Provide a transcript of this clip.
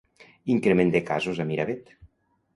Increment de casos a Miravet.